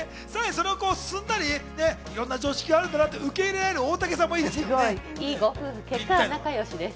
いろんな常識があるんだなって受け入れられる大竹さんもいいですね。